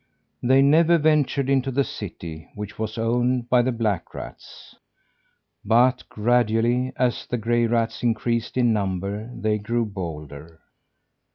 They never ventured into the city, which was owned by the black rats. But gradually, as the gray rats increased in number they grew bolder.